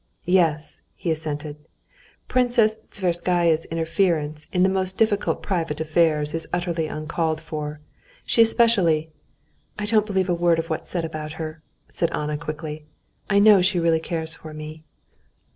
"Yes," he assented; "and Princess Tverskaya's interference in the most difficult private affairs is utterly uncalled for. She especially...." "I don't believe a word of what's said about her," said Anna quickly. "I know she really cares for me."